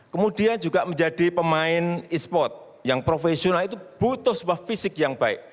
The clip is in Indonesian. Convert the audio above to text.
kemudian juga menjadi pemain e sport yang profesional itu butuh sebuah fisik yang baik